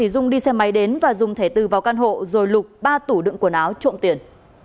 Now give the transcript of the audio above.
dung đi xe máy đến và dùng thẻ từ vào căn hộ rồi lục ba tủ đựng quần áo trộm tiền